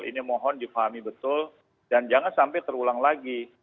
ini mohon difahami betul dan jangan sampai terulang lagi